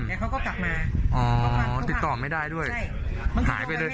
แต่เขาก็กลับมาอ้อติดต่อไม่ได้ด้วยใช่